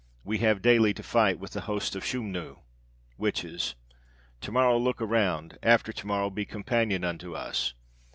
We have daily to fight with the host of Schumnu (witches). To morrow look around; after to morrow be companion unto us.'